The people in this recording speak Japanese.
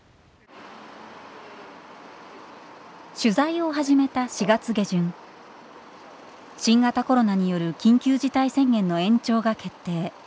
取材を始めた４月下旬新型コロナによる緊急事態宣言の延長が決定。